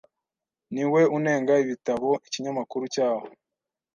Niwe unenga ibitabo ikinyamakuru cyaho.